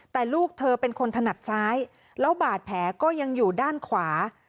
แต่ลูกเธอเป็นคนถนัดซ้ายแล้วบาดแผลก็ยังอยู่ด้านขวา